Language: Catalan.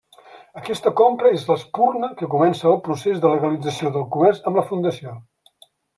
Aquesta compra és l'espurna que comença el procés de legalització del comerç amb la Fundació.